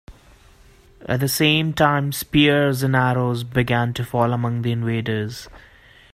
At the same time spears and arrows began to fall among the invaders.